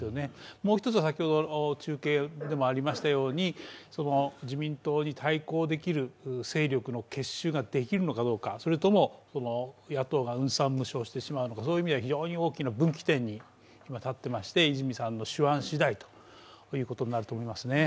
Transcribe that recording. もう１つは、先ほど中継でもありましたように、自民党に対抗できる勢力の結集ができるのかどうか、それとも野党が雲散霧消してしまうのか、そういう意味では非常に大きな分岐点に今、立っていまして泉さんの手腕しだいということになると思いますね。